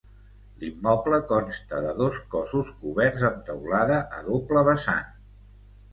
L'immoble consta de dos cossos coberts amb teulada a doble vessant.